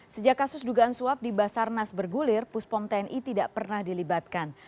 sejak kasus dugaan suap di basarnas bergulir puspom tni tidak pernah dilibatkan